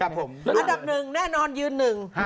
อันดับ๑แน่นอนยืน๑